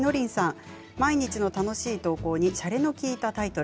毎日の楽しい投稿にしゃれが利いたタイトル。